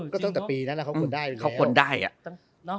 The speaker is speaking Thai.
ก็ตั้งแต่ปีนั้นแล้วเขาควรได้อีกแล้ว